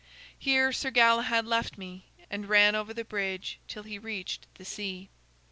Here Sir Galahad left me and ran over the bridge till he reached the sea.